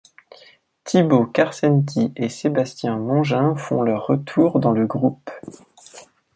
Thibaut Karsenty et Sébastien Mongin font leur retour dans le groupe.